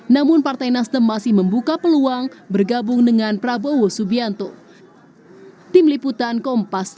namun partai nasdem masih membuka peluang bergabung dengan prabowo subianto